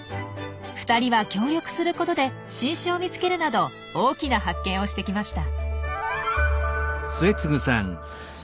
２人は協力することで新種を見つけるなど大きな発見をしてきました。